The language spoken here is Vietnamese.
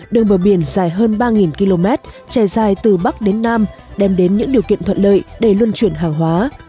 đường bờ biển dài hơn ba km trải dài từ bắc đến nam đem đến những điều kiện thuận lợi để luân chuyển hàng hóa